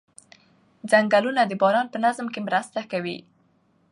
ځنګلونه د باران په تنظیم کې مرسته کوي